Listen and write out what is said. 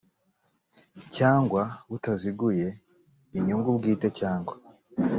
cyangwa butaziguye inyungu bwite cyangwa